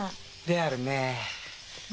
であるね。